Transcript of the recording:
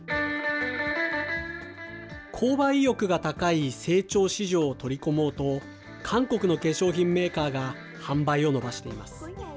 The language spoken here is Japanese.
購買意欲が高い成長市場を取り込もうと、韓国の化粧品メーカーが販売を伸ばしています。